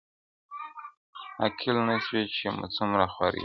عاقل نه سوې چي مي څومره خوارۍ وکړې,